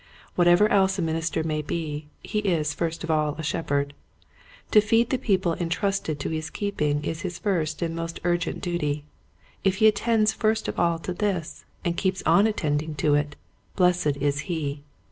Whatever else a minister may be, he is first of all a shepherd. To feed the people entrusted to his keeping is his first and most urgent duty. If he attends first of all to this and keeps on attending to it blessed is he.